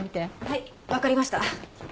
はいわかりました。